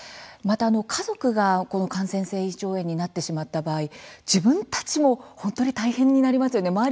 また家族が感染性胃腸炎になってしまった場合自分たちも本当に大変になりますよね。